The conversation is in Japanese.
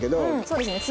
そうですね。